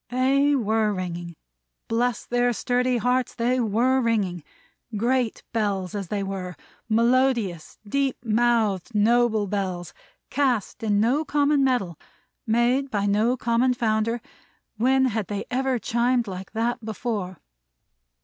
They WERE ringing! Bless their sturdy hearts, they WERE ringing! Great Bells as they were; melodious, deep mouthed, noble Bells; cast in no common metal; made by no common founder; when had they ever chimed like that before?